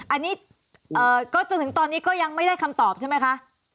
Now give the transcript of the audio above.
อันนี้ก็จนถึงตอนนี้ก็ยังไม่ได้คำตอบใช่ไหมคะ